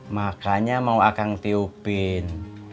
makanya mau akang tiupin